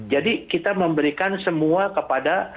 jadi kita memberikan semua kepada